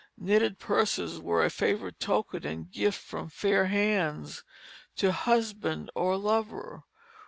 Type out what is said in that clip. Knitted purses were a favorite token and gift from fair hands to husband or lover.